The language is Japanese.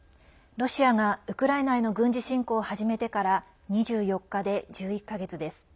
ロシアが、ウクライナへの軍事侵攻を始めてから２４日で１１か月です。